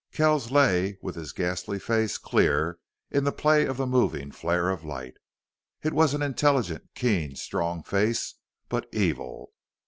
Kells lay with his ghastly face clear in the play of the moving flare of light. It was an intelligent, keen, strong face, but evil.